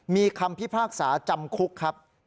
มีคำพิพากษาจำคุกครับ